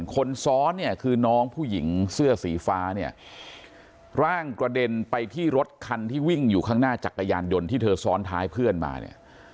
คนซ้อนเนี่ยคือน้องผู้หญิงเสื้อสีฟ้าเนี่ยร่างกระเด็นไปที่รถคันที่วิ่งอยู่ข้างหน้าจักรยานยนต์ที่เธอซ้อนท้ายเพื่อนมาเนี่ย